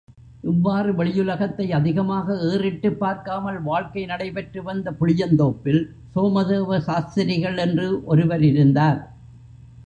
இவ்வாறு வெளியுலகத்தை அதிகமாக ஏறிட்டுப் பார்க்காமல் வாழ்க்கை நடைபெற்று வந்த புளியந்தோப்பில், சோமதேவ சாஸ்திரிகள் என்று ஒருவர் இருந்தார்.